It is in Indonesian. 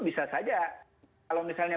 bisa saja kalau misalnya